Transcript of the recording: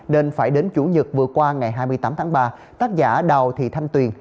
nên phải đến chủ nhật vừa qua ngày hai mươi tám tháng ba tác giả đào thị thanh tuyền